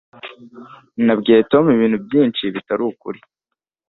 Nabwiye Tom ibintu byinshi bitari ukuri.